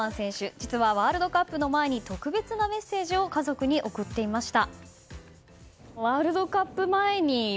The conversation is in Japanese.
実はワールドカップの前に特別なメッセージを家族に送っていました。